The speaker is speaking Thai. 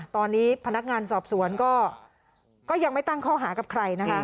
ตอนนี้พนักงานสอบสวนก็ยังไม่ตั้งข้อหากับใครนะคะ